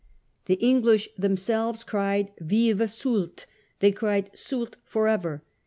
The Eng li sh themselves cried " Yive Soult !"— they cried, " Soult for ever